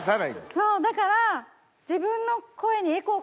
そうだから。